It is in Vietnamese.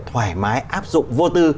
thoải mái áp dụng vô tư